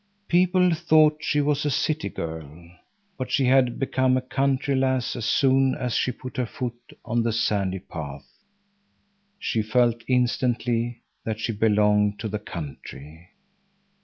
People thought she was a city girl. But she had become a country lass as soon as she put her foot on the sandy path. She felt instantly that she belonged to the country.